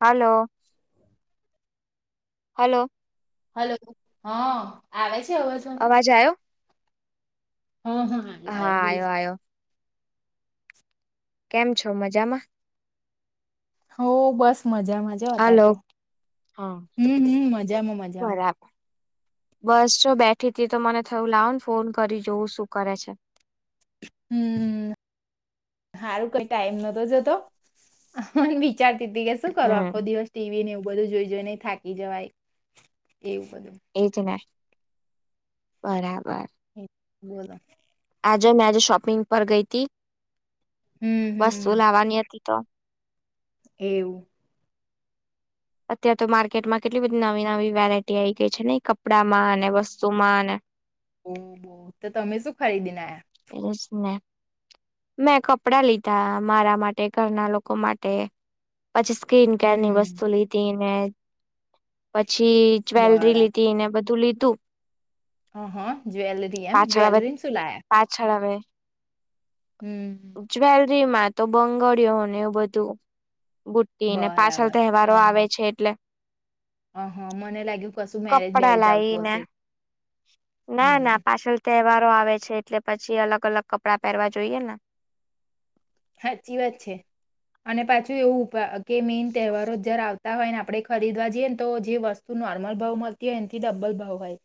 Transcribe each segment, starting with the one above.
હાલો. Hello. Hello હા આવે છે, અવાજવાનું. અવાજ આવ્યો હા હા [unintelligible] બોલો. આવ્યો આવ્યો કેમ છો મજામાં. હો બસ. મજામાંજતા હલો તો હા હમ હમ મજામાં મજામાં. બરાબર બસ છ બેઠી હતી તો મને થયું લાવ ને ફોન કરી જોવું શું કરે છે. હમ. સારું કઈ ટાઈમ નતો જતો મ વિચાર તી કે શું કરો હમ આખો દિવસ ટીવી ને એવું બધું જોઈ જઈ નને થાકી જવાય. એવું બલું એજ ને બરાબર. એ બોલે આજે મેં આજે શોપિંગ પર ગઈ તી હમ વસ્તુ હમ લાવવાની હતી તો એવું અત્યારેાર તો માર્કેટમાં કેટલી બધી નવી નવી વેરાયટી આવી ગઈ છે ને કપડામાં અને વસ્તુમાં અને ઓહ તો તમે શું ખરીદીને આયા. એ જ ને. મેં કપડાં લીધા મારા માટે ઘરના લોકો માટે પછી સ્ક્રીન કેની હમ વસ્તુ લીધી ને પન પછી જ્વેલરી લીધી ને બધું લીધું. હા હા જ્વેલરી એમ પાછળ આવે જ્વેલરી સુલાયા પાછળ આવે જ્વેલરીમાં તો બંગળીયોને એ બધું બુટી ને બરાબર પાછળ હ તહેવારો હ આવે છે એટલે. હ હા મને લાગ્યું કશું મેરેજ કપડા બેરેજ આવતું લાઈને હશે. ના ના હમ પાછળ તહેવારો આવે છે એટલે પછી અલગ અલગ કપડાં પહેરવા જોઈએ. સાચી વાત છે અને પાછું એવું કે મેન તહેવારો જ આવતા. હોય ને આપણે ખરીદવા જઈએને તો જે વસ્તુ નોર્મલ ભાવ મળતી હોય એથી ડબ્બલ ભાવ હોય.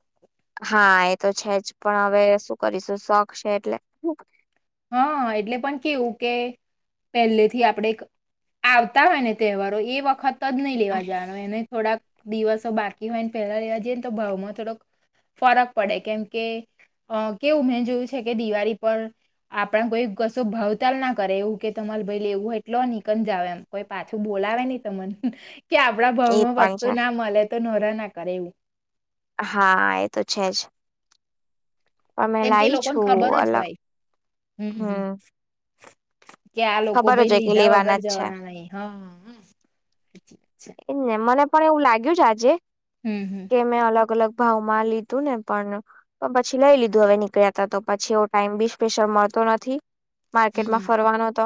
[inaudible] હા એ તો છે જ પણ હવે શું કરીશું શોખ છે એટલે હા એટલે પણ કેવું કે પહેલેથી આપણે આવતા હોય ને તહેવારો એ વખત જ નહી લેવા જવાનો એને થોડાક દિવસો બાકી હોયને પેલા લેવા જઈએ ને તો ભાવમાં થોડોક ફરક પડે કેમ કે કેવું મે જોયું છે કે દિવાળી પર આપણા કોઈ કશું ભાવતાલ ના કરે એવું કે તમારે ભાઈ લેવુ એવું એટલો નનીકજ જાઓ એમ કોઈ પાછું બોલા આવે ન મને કે આપડા એ ભાવમાં પણ વસ્તુ છે ના મળે તો નોરા ના કરે એવું હા એ તો છે જ. અમે કેમ કે લાવ એ લોકોને છું ખબર જ અલગ હોય હમ. કે આ લોકો ખબર જ ભાઈ હોય કે લીધા વગર લેવાના જ છે જવાના નહી હ. એ ને મને પણ એવું લાગ્યું છે આજે હમ કે મેં અલગ અલગ ભાવ માં લીધું ને પણ પછી લઈ લીધું હવે નીકળ્યા ત તો પછી એવો ટાઈમ બી સ્પેશિલ મળતો નથી. હમ માર્કેટમાં હમ ફરવાનો તો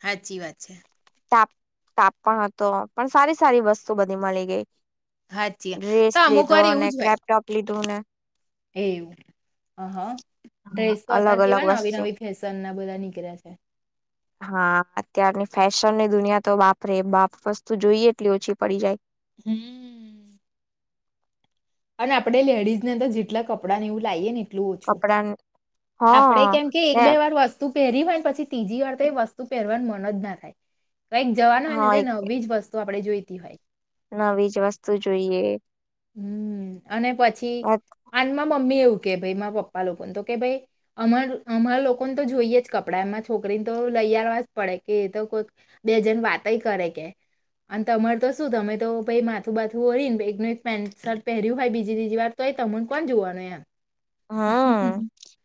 સાચી વાત છે તાપણ હતો પણ સારી સારી વસ્તુ બધી મળી ગઈ. સાચી વાત. ડ્રેસ તો અમુક લીધો વાર અને એવું જ હોય કપટોપ લીધું ને એવું હ હા હા ડ્રેસો અલગ અત્યારે અલગ કેવાય નવી વસ્તુ નવી ફેશન ના બધા નીકળ્યા છે. હા અત્યારની ફેશન ની દુનિયા તો વાપરેપ વસ્તુ જોઈએ એટલી ઓછી પડી જાય. હમ. અને આપડે લેડીઝ ને તો જેટલા કપડા નેવું લીએ ને એટલું ઓછું કપડા આપડે હા કેમ કે એક ને બે વાર વસ્તુ પહેરી હોય પછી ત્રીજી વાર તો એ વસ્તુ પહેરવાનું મન જ ના થાય કઈક જવાનું હોય હા ને એક નવી જ વસ્તુ તો આપણે જોઈતી હોય. નવી જ વસ્તુ જોઈએ. હમ અને પછી આનમાં મમ્મ મમ્મી એવું કે ભરા પપ્પા લોકોને તો કે ભ અમારા લોકોને તો જોઈએ જ કપડા એમાં છોકરી તો લઈ આવવા જ પડે કે તો કોઈ બે જણ વાતય કરે કે અન તમાર તો શું તમે તો ભઈ માથું બાથું ઓળીન પેન્ટ-શર્ટ પહેર્યું હોઈ બીજી-ત્રીજી વાર તોય તમન કોણ જોવાનું એમ. હન.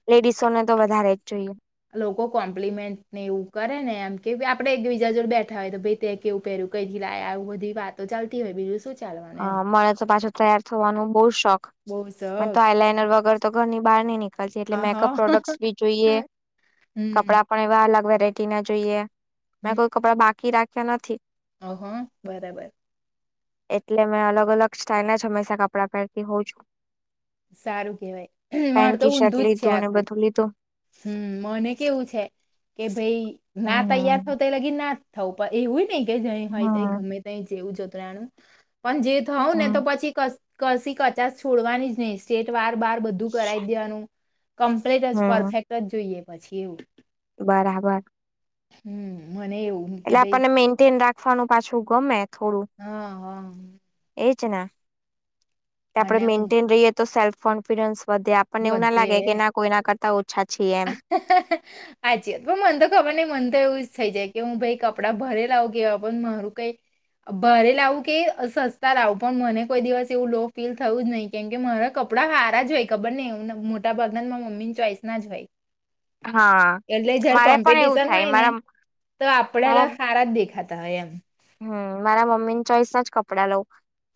લેડીસોને તો વધારે જ જોઈએ. લોકો કોમ્પ્લિમેન્ટ ને એવું કરે ને એમ કે આપડે એકબીજા જોડ બેઠા હોય તો ભઈ તે કેવું પહેર્યું, કઈથી લાયા, આવુ બધી વાતો ચાલતી હોય બીજું શું છે. હા, મને તો પાછો તૈયાર થવાનું બઉ શોખ. બહુ મન તો શોખ આઈલાઈનર વગર તો ઘરની બહાર નઈ નીકળતી. એટલે મેકઅપ આહા પ્રોડક્ટસ બી જોઈએ, હમ કપડાં પણ એવા અલગ રાઈટીના જોઈએ. મેં કોઈ કપડા બાકી રાખ્યા નથી. ઓહ હો, બરાબર. એટલે મે અલગ-અલગ સ્ટાઈલના જ હંમેશા કપડાં પહેરતી હોઉ છું. સારું કેવાય. માર પેન્ટ તો ટી શર્ટ ઊંધું જ છે લીધું ને આખું. બધું લીધું હમ, મને કેવું છે કે ભઈ ના હમ તૈયાર થવ તય લગીન ના જ થવ. પર એવુંય નઈ કે જય હોય હમ ગમે તય જેવું જતુ રેવાનું. પણ જે થઉ ને તો હમ પછી કશ કશી કચાસ છોડવાની જ નઈ. સ્ટેટ વાર બાર બધું કરાઈ જ દેવાનું. કમ્પ્લેટ જ હમ પરફેક્ટ જ જોઈએ પછી એવું. બરાબર. હમ. મને એવું એટલે કે ભાઈ આપડને મેન્ટેન રાખવાનું પાછું ગમે. હા, હા. છેને આપડે અને હું મેન્ટેન રહીયે તો સેલ્ફ કોન્ફિડન્સ વધે. આપડને એવું ના લાગે કે ના કોઈના કરતા ઓછા છીએ એમ આચી વાત. પણ મન તો ખબર નઈ મન તો એવું જ થઈ જાય. કે હું ભઈ કપડાં ભારે લઉ કેવા. પણ મારું કઈ ભારે લાવું કે સસ્તા લાવું પણ મને કોઈ દિવસ એવું લો ફીલ થયું જ નહી. કેમ કે મારા કપડા સારા જ હોય ખબર નઈ મોટા ભાગના માર મમ્મીની ચોઈસ ના જ હોય. હા એટલે જારે મારે પણ એવું કોમ્પિટિશન થાય હોય ને મારા તો આપડે તો મારા સારા જ દેખા તા એમ. હમ, મારા મમ્મીની ચોઈસ ના જ કપડા લઉ.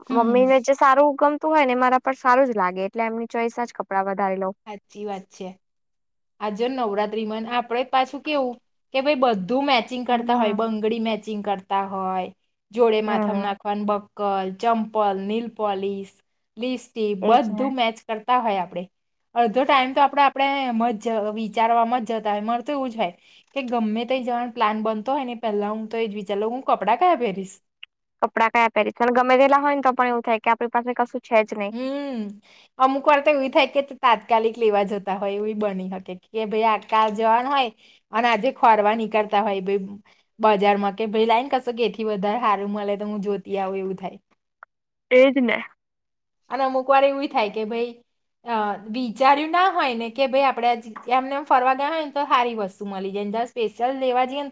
હમ મમ્મીને જે સારું ગમ તુ હોય ન એ મારા પર સારું જ લાગે એટલે એમની ચોઈસના જ કપડાં વધારે લઉં સાચી વાત છે. આજે નવરાત્રીમાં ન આપડે પાછું કેવું કે ભાઈ બધ ધુ મેચિંગ કરતા હોય. હમ બંગડી મેચિંગ કરતા હોય, જોડે માથમ હમ નાખવાનું બ કલ, ચંપલ, નેલપોલીસ, લિસ્ટીપ એજ બધુ ને મેચ કર તા હોય આપડે. અડધો ટાઈમ તો આપડ આપડે એમ વિચારવામાં જતા હોય. મારે તો એવું જ હોય કે ગમે તય જવાનો પ્લાન બનતો હોય ને પેલા હું તો એ જ વિચારલવ. હું કપડા કયા પહેરીશ? કપડા કયા પહેરીશ પણ ગમે તેેટલા હોય ન તો પણ એવું થાય કે આપડી પાસે કશું છે જ નહી હમ, અમુક વાર તો એવુય થાય કે ત તા તાત્કાલિક લેવા જતા હોય એવુય બની હકે કે ભઈ આ કાલ જવાનું હોય અને આજે ખોરવા નીકળ તા હોય ભઈ. બજારમાં કે ભઈ લાઈ ન કશુક એ થી વધારે સારું મળે તો હું જોતી આવું એવું થાય. તેજ ને. અન અમુક વાર એવુય થાય કે ભઈ અ વિચાર્યું ના હોય ને કે ભઈ આપડે આજ એમનેમ ફરવા ગયા હોય ને તો સારી વસ્તુ મલી જાય. જ્યાં સ્પેશિયલ લેવા જઈન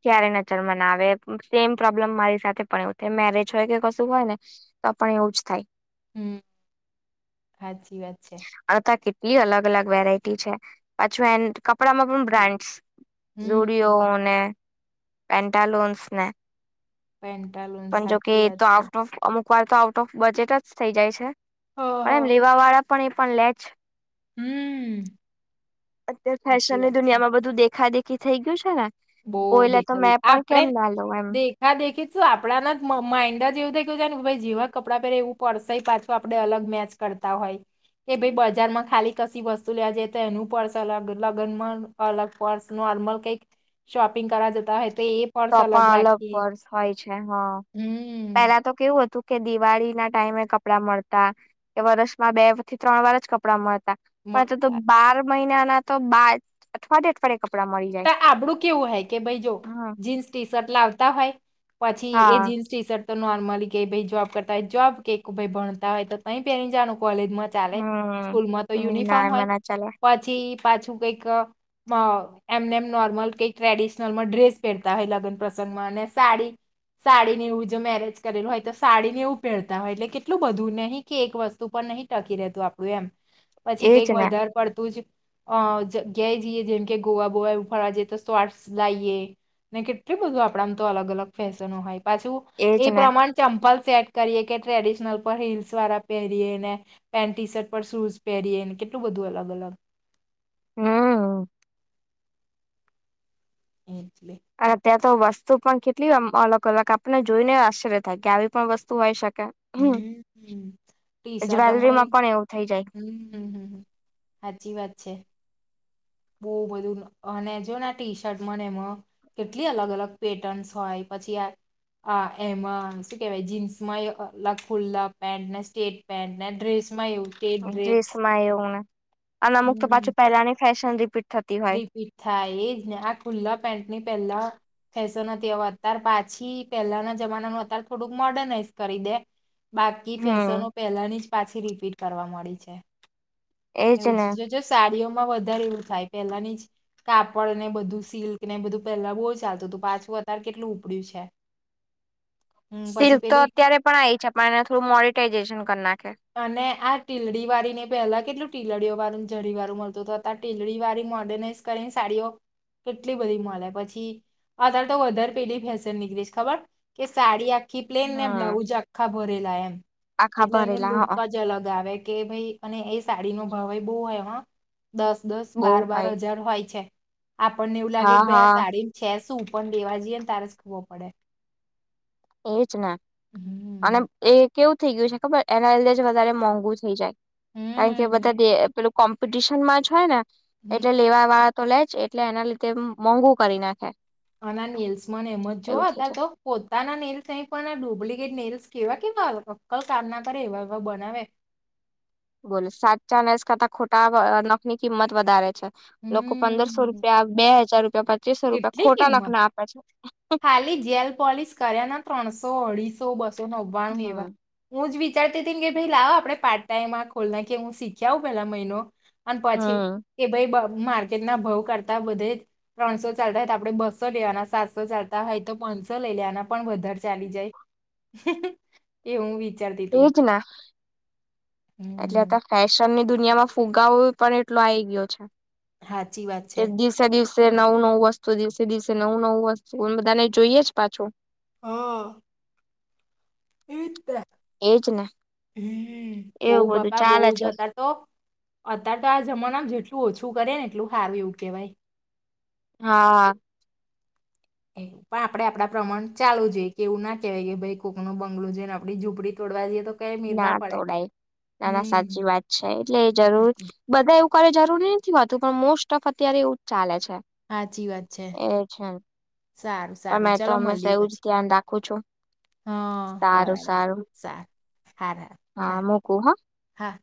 ક્યારે નજરમાં ના આવે. તેમ પ્રોબ્લેમ મારી સાથે પણ એવુ થાય. મેરેજ હોય કે કશું હોય ને તો પણ એવું જ થાય. હમ, સાચી વાત છે. લી અલગ-અલગ વેરાયટી છે. પાછું એન કપડામાં પણ બ્રાન્ડસ. હમ ઝૂડીઓને, પેન્ટાલુન્સને પેન્ટલુન્સ. સાચી વાત એક વાર તો આઉટ ઓફ બજેટ જ થઈ જાય છે હ પણ એમ હ લેવા વાળા પણ એ પણ લેજ હમ અત્યારે સાચી ફેશનની વાત દુનિયામાં બધું દેખા દેખ કે થઈ ગયું છે બહ કોઈ લે તો દેખા દ મેં પણ આપણેે કેમ ના લઉં એમ દેખા દેખી શ આપણાના જ માઇન્ડ જ એવું દખવું છે કે ભાઈ જેવા કપડાં પહેરે એવું પડશે પાછું આપડેલગ મેચ કર કરતા હોય કે ભાઈ બજાર માં ખાલી કશી વસ્તુ લેવા જઈ તો એનું પર્સ અલગ લગ્નમાં અલગ પર્સ ન લ કઈ શોપિંગ હોય તો એ તો પર્સ પણ અલગ રાખી વર્ષ હોય છે હ હમ પેલા તો કેવું હતું કે દિવાળી ના ટાઈમે કપડા મળતા કે વર્ષમાં બે થી ત્રણ વાર જ કપડા મળતા પણ તો મળતા બાર મહિના ના તો બાર અઠવાડયે અઠવાડિયે કપડા મળી જાય તો આપડું કેવું હોય કે ભાઈ જો હમ જીન્સ ટી શર્ટ લાવતા હોય પછી એ હા જીન્સ ટી શર્ટ તો નોર્મલી ક ભાઈ જોબ કરતા હોય જોબ કેઈક ભાઈ ભણતા હોય તો તહી પે જાણ કોલેજમાં ચાલે સ્કૂલમાં તો હમ ના યુનિફોર્મ હોય એમાં ના ચાલે પછી પાછું કઈક એમને એમ નોર્મલ કઈક ટ્રેડિશનલમાં ડ્રેસ પહેરતા હોય લગ્ન પ્રસંગમાં અને સાડી સાડીને એવું જો મેરેજ કરેલું હોય તો સાડીને એવું પહેરતા હોય એટલે કેટલું બધું નહીં કે એક વસ્તુ પણ નહીં ટાકી રહેતું આપડું એમ પછી એજ કઈક ને વધારે પડતું જ અ જગ્યાએ જઈએ જેમ કે ગોવા બોવા ઉફળજ તો તો આર્ટસ લઈે ને કેટલું બધું આપડામ તો અલગ અલગ ફેશનો હોય પાછું એજ એ ને પ્રમાણ ચ લ્ સેટ કરીએ કે ટ્રેડિશનલ પર હીલ્સ વાળા પહેરીએ ને પેન્ટ ટી શર્ટ પર શૂઝ પહેરીએ કેટલું બધું અલગ અલગ હમ એટલે અ ત્યા તો વસ્તુ પણ કેટલી અલગ અલગ આપને જોઈને આશ્ચર્ય થાય કે આવી પણ વસ્તુ હોય શકે હમ ટી શર્ટ જવેલરી અમે માં પણ એવું થાય હમ હમ હમ સાચી વાત છે બહુ બધું અને જો ને આ ટી શર્ટ મને એમાં કેટલી અલગ અલગ પેટર્ન્સ હોય પછી આ હ એમાં શું કેવાય? જીન્સમાં અલગ ખુલ્લા પેન્ટ ને સ્ટેટ પેન્ટ ને ડ્રેસ? એવું સ્ટેટ ડ્રીસમાં એવું ને? અ અમુક તો હમ પાછું પહેલાની ફેશન રિપીટ. રિપીટ થાય એ જ ને? આ ખુલ્લા પેન્ટની પહેલા. નથી. અત્યારે પાછી પહેલાના જમાનાનું અત્યારે થોડુંક મોર્ડર્નાઈઝ કરી દે. બાકી હમ ફેશનો પેલાની જ પાછી રિપીટ કરવા મળી છે. એજ ને એવું જો સાડીઓ વધારે એવું થાય. પેલાની જ કાપડ ને બધું, સિલ્ક ને બધું પેલા બહુ જ. ચાલતું તું. પાછું અત્યારે કેટલું ઉપડ્યું છે. હમ પછી સિલ્ક તો પેલી અત્યારે પણ આવી છે, પણ એના થ્રુ મોડટાઈઝેશન કરનાર. અને આ ટીલડી વાળી ને પહેલા કેટલું ટિલડીઓ વાળું જરી વાળું મળતું હતું. હવે ટિલડી વાળી મોડર્નાઈઝ કરીને સાડીઓ. કેટલી બધી મળે પછી અતારે તો વધારે પેલી ફેસન નીકળી. ખબર કે સાડી આવી. આખી પ્લેન, ને હમ બ્લાઉજ આખા ભરેલા એમ આખા એટલે એનો ભરેલા લુક. ખૂબ હા જ અલગ આવે કે, ભાઈ અને એ સાડી નો ભાવ બહુ હોય. દસ-દસ, બહુ બાર-બાર હોય હજાર હોય છે. આપણને એવું લાગે હા કે, ભાઈ હા સાડી ને છે શું? પણ લેવા જઈએ ને ત્યારે જ ખબર પડે. એજ ને, અને હમ એ કેવું થઈ ગયું છે, ખબર? એના લીધે જ વધારે મોંઘુ થઈ જાય, કારણ કે હમ બધા પેલું કોમ્પિટિશન માં જ હોય ને, હમ એટલે લેવા વાત તો લે છે, એટલે એના લીધે મોંઘુ કરી નાખે. આના નેલ્સમાંના એમ જ એવું જોવા થઈ હતા, તો જાય પોતાના નેલ્સ પણ ડુપ્લિકેટ નેલ્સ કેવા-કેવા! અક્કલ કામ ના કરે એવા-એવા બનાવે. બોલો, સાત ચાલેસ કા તા ખોટા નખ ની કિંમત વધારે છે. લોકો પંદરસો હમ રૂપિયા, બે હજાર રૂપ કેટલી કિંમત! ખાલી જેલ પોલિસ કર્યા ના ત્રણસો. સો, અઢીસો, બસો, નવ્વાણું એવા હમ હું જ વિ ચારતી હતી કે, ભાઈ, લાવ આપડે પાર્ટ ટાઈમ આ ખોલ ના, કે હું શીખ્યા આવ પેહલા મહિનો. અને પછી હમ કે, ભાઈ, માર્કેટ ના ભાવ કરતા બધે ત્રણસો ચાલતા હોય તો આપડે બસો લેવાના, સાતસો ચાલતા હોય તો પાંચસો લઈ લેવાના, પણ વધારે ચાલી જાય. એવું બી એ જ ને, એટલે હમ ફેશનની દુનિયામાં ફુગાવો પણ એટલો આઈ ગયો છે સાચી વાત કે છે. દિવસે દિવસે નવું-નવું વસ્તુ, દિવસે દિવસે નવું-નવું વસ્તુ બધા ને જોઈએ જ પાછું મતલબ હા. એતે. એજ ને. હો બહુ, એવું બધું બાપા બહુ ચાલે છે જતા તો અત્યારે તો આ જમાના જેટલું ઓછું કરે, ને એટલું સાર એ કેવાય. હા. એ પણ આપડે આપડા પ્રમાણ ચાલુું જોઈએ, કે એવું ના કહેવાય કે ભાઈ, કોકનું બંગલો જોઈ ને આપડી ઝુંપડી તો વા જોઈએ તો. કઈ મીર ના પડે. તોડાય નાના, હમ. સાચી વાત છે એટલે જરૂર બધા એવું કય જરૂરી ની થી વાતો પણ મોસ્ટ ઓફ અત્યારે એવું ચાલે છે. સાચી વાત છે એ છે. સારું પણ સારું મેં તો ચલો મળીએ હંમેશા એવું જ પછી ધ્યાન રાખું છું. હા, સારું બરાબર સારું સારુ હા હા હા મૂકું હ હા.